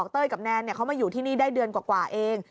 เต้ยกับแนนเขามาอยู่ที่นี่ได้เดือนกว่าเอง